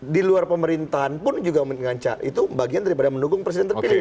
di luar pemerintahan pun juga mengancak itu bagian daripada mendukung presiden terpilih